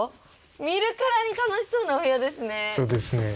見るからに楽しそうなお部屋ですね。